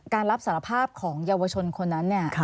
การรับสารภาพของเยาวชนคนนั้นเนี่ย